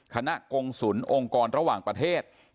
ขณะกงศูนย์องค์กรระหว่างประเทศ